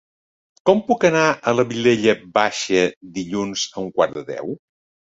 Com puc anar a la Vilella Baixa dilluns a un quart de deu?